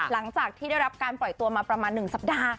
หลังจากที่ได้รับการปล่อยตัวมาประมาณ๑สัปดาห์